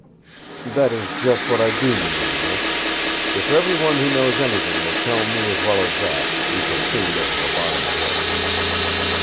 "That is just what I do mean, miss. If every one who knows anything will tell me as well as that, we shall soon get to the bottom of this."